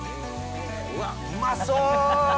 うわっうまそ！